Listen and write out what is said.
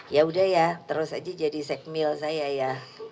yaudah ya terus aja jadi segmil saya ya